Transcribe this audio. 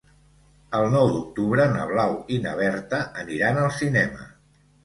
El nou d'octubre na Blau i na Berta aniran al cinema.